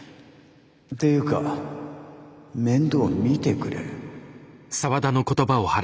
ってゆうか面倒見てくれ。